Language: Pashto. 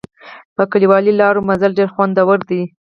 په کلیوالي لارو مزل ډېر خوندور دی.